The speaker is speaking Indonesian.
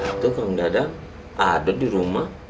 itu kang dadang ada di rumah